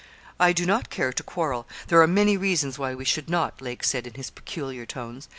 'I do not care to quarrel; there are many reasons why we should not,' Lake said in his peculiar tones.